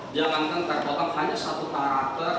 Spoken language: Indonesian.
jangan terpotong hanya satu character